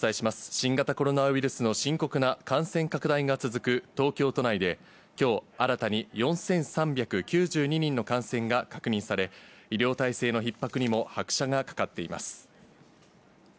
新方コロナウイルスの深刻な感染拡大が続く東京都内で、きょう新たに、４３９２人の感染が確認され、医療体制のひっ迫にも拍車がかかっています。